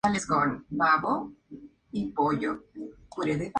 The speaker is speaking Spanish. Los resultados obtenidos son el teorema del cateto.